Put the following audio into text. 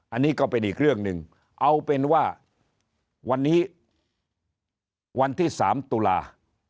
อันนี้ก็เป็นอีกเรื่องหนึ่งเอาเป็นว่าวันนี้วันที่๓ตุลา